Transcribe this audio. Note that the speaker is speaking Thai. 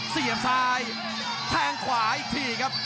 เสียบซ้ายแทงขวาอีกทีครับ